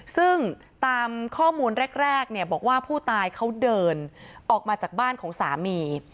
ซึ่งตามข้อมูลแรกเนี่ยบอกว่าผู้ตายเขาเดินออกมาจากบ้านของสามี